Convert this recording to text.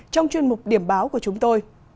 trong chuyên mục điểm báo của chúng tôi